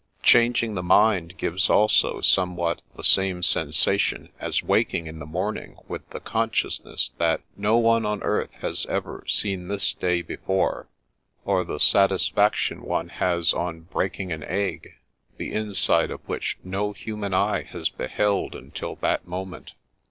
Changing the mind gives also somewhat the same sensation as waking in the morning with the consciousness that no one on earth has ever seen this day before; or the satisfaction one has on breaking an egg, the in side of which no human eye has beheld until that moment.